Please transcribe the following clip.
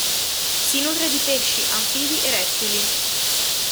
Si nutre di pesci, anfibi e rettili.